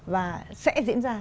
và sẽ diễn ra